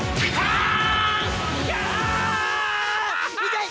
痛い！